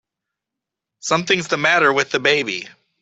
Something's the matter with the baby!